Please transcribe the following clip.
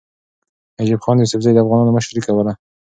نجیب خان یوسفزي د افغانانو مشري کوله.